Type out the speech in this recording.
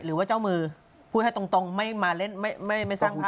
หรือว่าเจ้ามือพูดให้ตรงไม่มาเล่นไม่สร้างภาพ